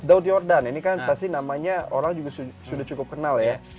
daud yordan ini kan pasti namanya orang juga sudah cukup kenal ya